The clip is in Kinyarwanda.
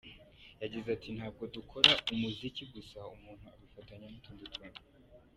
Yagize ati “Ntabwo dukora umuziki gusa, umuntu abifatanya n’utundi tuntu.